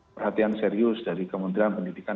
perhatian serius dari kementerian pendidikan